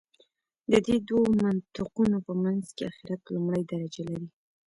د دې دوو منطقونو په منځ کې آخرت لومړۍ درجه لري.